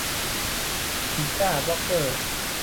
บีต้าบล็อคเกอร์